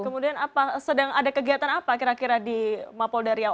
kemudian ada kegiatan apa kira kira di mapolda riau